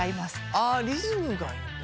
ああリズムがいいんだ。